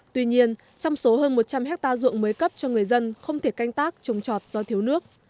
tuy nhiên trong số hơn một trăm linh hectare ruộng mới cấp cho người dân không thể canh tác trồng trọt do thiếu nước